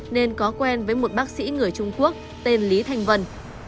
nên có quen với một bác sĩ người trung quốc tên lý thành vân